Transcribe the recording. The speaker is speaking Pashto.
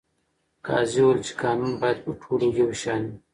قاضي وویل چې قانون باید په ټولو یو شان وي.